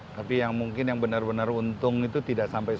tapi yang mungkin yang benar benar untung itu tidak sampai sepuluh